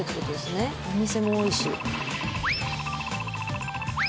お店も多いし。